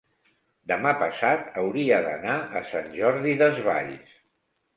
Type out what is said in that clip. demà passat hauria d'anar a Sant Jordi Desvalls.